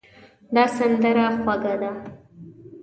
دا سندره خوږه ده.